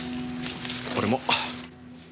俺も。